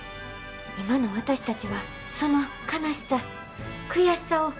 今の私たちはその悲しさ悔しさをよく知っています。